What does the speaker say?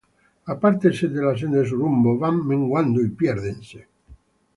Apártanse de la senda de su rumbo, Van menguando y piérdense.